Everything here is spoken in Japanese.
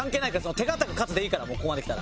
手堅く勝つでいいからここまできたら。